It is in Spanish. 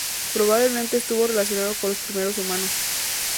Probablemente estuvo relacionado con los primeros humanos.